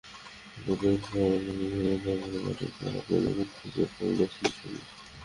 কিন্তু লুইস সুয়ারেজবিহীন লিভারপুল মাঠের খেলায় যেন মুখ থুবড়েই পড়ল সিটির সামনে।